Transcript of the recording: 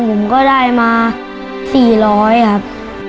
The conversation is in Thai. ผมก็ได้มา๔๐๐ครับ